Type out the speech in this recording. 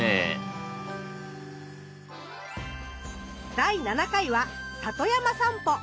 第７回は里山さんぽ。